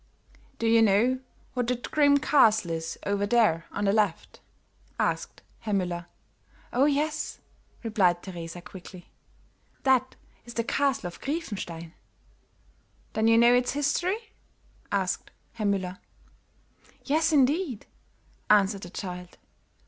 "Do you know what that grim castle is, over there on the left?" asked Herr Müller. "Oh, yes," replied Teresa quickly. "That is the Castle of Griefenstein." "Then you know its history?" asked Herr Müller. "Yes, indeed," answered the child.